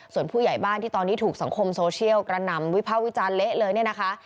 ส่วนผู้ใหญ่บ้านที่ตอนนี้ถูกสังคมโซเชียลกระหน่ำวิภาควิจารณ์เละเลยเนี่ยนะคะ